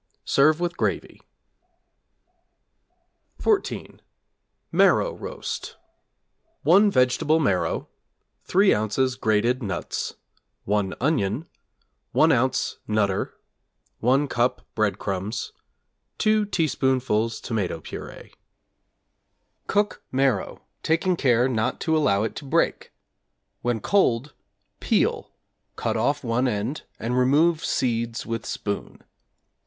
Serve with gravy. =14. Marrow Roast= 1 vegetable marrow, 3 ozs. grated nuts, 1 onion, 1 oz. 'Nutter,' 1 cup breadcrumbs, 2 teaspoonfuls tomato purée. Cook marrow, taking care not to allow it to break; when cold, peel, cut off one end and remove seeds with spoon.